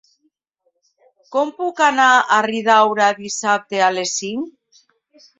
Com puc anar a Riudaura dissabte a les cinc?